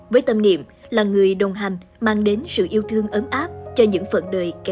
với tâm niệm là người đồng hành mang đến sự tốt